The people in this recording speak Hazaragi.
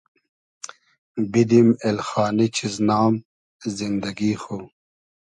بیدیم اېلخانی چیز نام زیندئگی خو